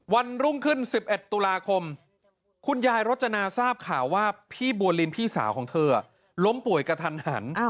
วันรุ่งขึ้น๑๑ตุลาคมคุณยายรจนาทราบข่าวว่าพี่บัวลินพี่สาวของเธอล้มป่วยกระทันหัน